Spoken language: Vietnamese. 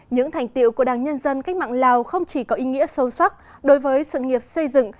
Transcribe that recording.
những thành tiệu của đảng nhân dân cách mạng lào không chỉ có ý nghĩa sâu sắc đối với sự nghiệp xây dựng